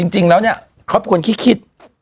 จริงแล้วเนี่ยเขาเป็นคนขี้คิด